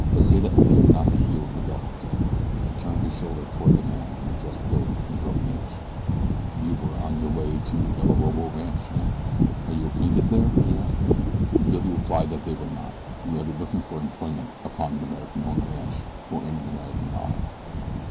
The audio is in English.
Pesita appeared not to hear what Miguel had said. He turned his shoulder toward the man, and addressed Billy in broken English. "You were on your way to El Orobo Rancho, eh? Are you acquainted there?" he asked. Billy replied that they were not merely looking for employment upon an American owned ranch or in an American mine.